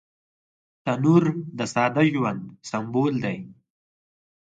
تنور د ساده ژوند سمبول دی